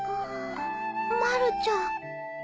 まるちゃん。